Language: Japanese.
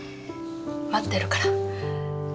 待ってるから。